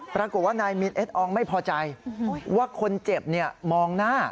ปรากฏว่านายมินเอสอองไม่พอใจว่าคนเจ็บมองหน้า